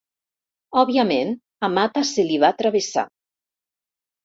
Òbviament, a Mata se li va travessar.